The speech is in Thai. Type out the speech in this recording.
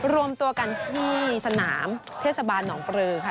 รวมตัวกันที่สนามเทศบาลหนองปลือค่ะ